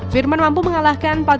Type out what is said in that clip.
firman mampu mengalahkan